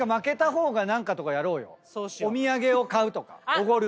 おごる。